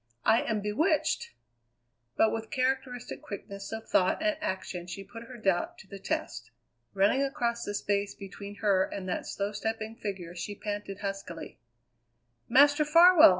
"I am bewitched!" But with characteristic quickness of thought and action she put her doubt to the test. Running across the space between her and that slow stepping figure she panted huskily: "Master Farwell!